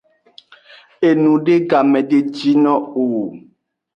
Enude game de jino o.